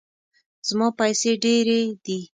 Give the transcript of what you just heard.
زما پیسې ډیرې دي